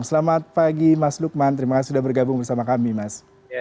selamat pagi mas lukman terima kasih sudah bergabung bersama kami mas